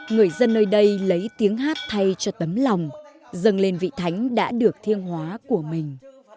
người dân nơi đây lấy tiếng hát thay cho tấm lòng dâng lên vị thánh đã được thiên hóa của mình